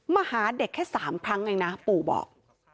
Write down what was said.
มาหาเด็กแค่๓ครั้งเองนะปู่บอก